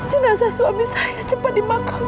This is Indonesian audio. jenazah suami saya cepat dimakam